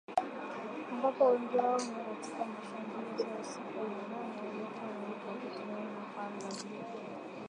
ambapo wengi wao ni katika mashambulizi ya usiku wa manane yaliyofanywa kwa kutumia mapanga na mashoka